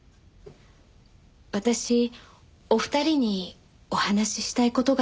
私お二人にお話ししたい事があるんです。